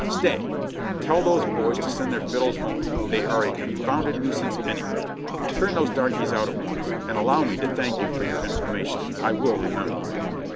Stay ! Tell those boys to send their fiddles home, they are a confounded nuisance anyway ! Turn those darkies out at once and allow me to thank you for your information, I will re member it."